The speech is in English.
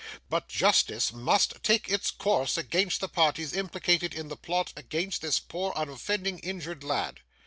But, justice must take its course against the parties implicated in the plot against this poor, unoffending, injured lad.